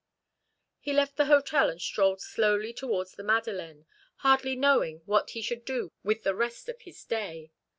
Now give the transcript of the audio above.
He left the hotel and strolled slowly towards the Madeleine, hardly knowing what he should do with the rest of his day.